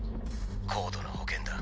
高度な保険だ。